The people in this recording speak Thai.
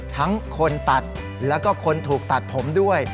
ทั้งคนตัดแล้วก็คนถูกตัดผมด้วย